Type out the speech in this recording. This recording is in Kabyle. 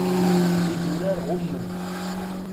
Idurar ɣummen.